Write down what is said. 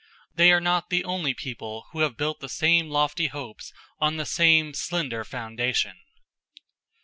They are not the only people who have built the same lofty hopes on the same slender foundation.